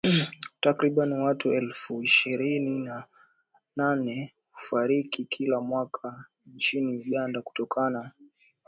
Takriban watu elfu ishirini na nane hufariki kila mwaka nchini Uganda kutokana